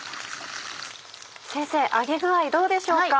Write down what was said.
先生揚げ具合どうでしょうか？